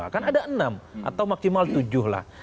kan ada enam atau maksimal tujuh lah